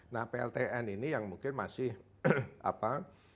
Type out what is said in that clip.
nah pltn ini yang mungkin masih apa